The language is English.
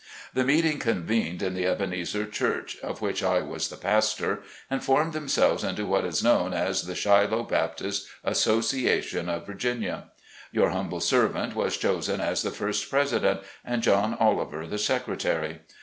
The meeting convened in the Ebenezer Church, of which I was the pastor, and formed themselves into what is known as the Shiloh Baptist Association of Virginia. Your humble servant was chosen as the first president, and John Oliver, the secretary.